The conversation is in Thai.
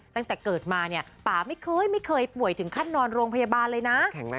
ตั้งแต่เกิดมาป่าไม่เคยป่วยถึงขั้นนอนโรงพยาบาลเลยนะ